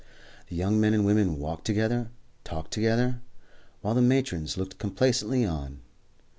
The young men and women walked together and talked together, while the matrons looked complacently on.